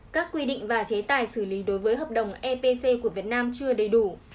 các quy định và chế tài xử lý đối với hợp đồng epc của việt nam chưa đầy đủ